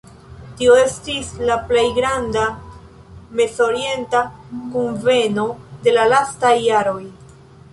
Tio estis la plej granda Mezorienta Kunveno de la lastaj jaroj.